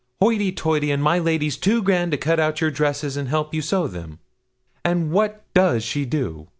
Hoity toity! and my lady's too grand to cut out your dresses and help to sew them? And what does she do?